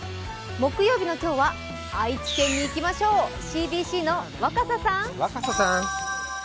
木曜日の今日は愛知県にいきましょう、ＣＢＣの若狭さん。